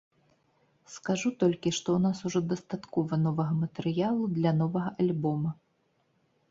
Скажу толькі, што ў нас ужо дастаткова новага матэрыялу для новага альбома.